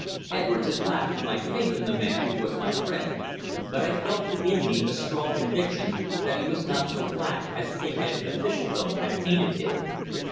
Edwards had laughed at my faith in the man who was my friend, but I felt within me a strong conviction that he was not so black as pigheaded officialdom had painted him.